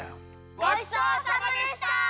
ごちそうさまでした！